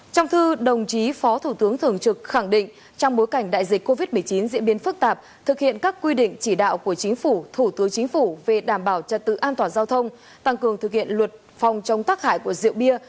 trong thư đồng chí phó thủ tướng thường trực khẳng định trong bối cảnh đại dịch covid một mươi chín diễn biến phức tạp thực hiện các quy định chỉ đạo của chính phủ thủ tướng chính phủ về đảm bảo trật tự an toàn giao thông tăng cường thực hiện luật phòng chống tác hại của rượu bia